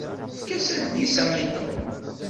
Efk-as adlis-a i Tom.